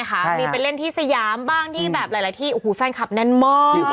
มีไปเล่นที่สยามบ้างที่แบบหลายที่โอ้โหแฟนคลับแน่นมาก